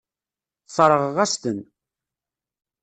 Sseṛɣeɣ-as-ten.